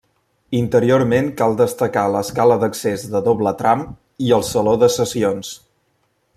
Interiorment cal destacar l'escala d'accés de doble tram i el saló de sessions.